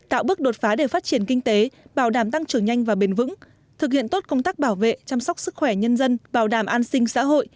tạo bước đột phá để phát triển kinh tế bảo đảm tăng trưởng nhanh và bền vững thực hiện tốt công tác bảo vệ chăm sóc sức khỏe nhân dân bảo đảm an sinh xã hội